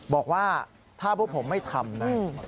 บอกว่าถ้าพวกผมไม่ทำนะ